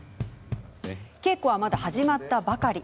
稽古は、まだ始まったばかり。